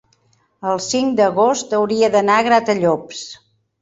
el cinc d'agost hauria d'anar a Gratallops.